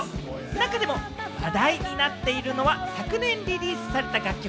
中でも話題になっているのは昨年リリースされた楽曲